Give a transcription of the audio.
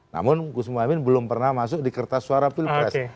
namun gus muhaymin belum pernah masuk di kertas suara pilpres